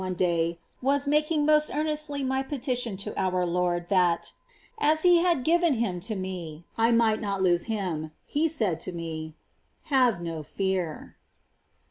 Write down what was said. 435 day was making most earnestly my petition to our Lord that, as He had given him to me, I might not lose him, He said to me :^' Have no fear."